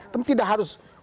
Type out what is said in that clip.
tapi tidak harus